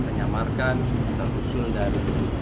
menyamarkan kisah usul dari